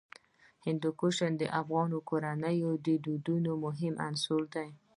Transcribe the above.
هندوکش د افغان کورنیو د دودونو مهم عنصر دی.